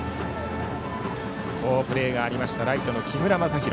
好プレーがあったライトの木村政裕。